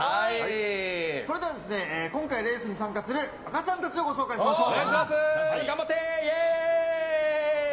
それでは今回レースに参加する赤ちゃんたちをご紹介しましょう。